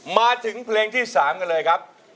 มาถึงเพลงที่๓กันเลยครับ